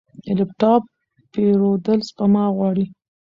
د لپ ټاپ پیرودل سپما غواړي.